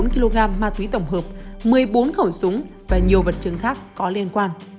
hai trăm bốn mươi chín bốn kg ma túy tổng hợp một mươi bốn khẩu súng và nhiều vật chứng khác có liên quan